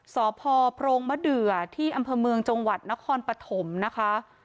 สพโพรงมะเดือที่อำเภอเมืองจังหวัดนครปฐมนะคะ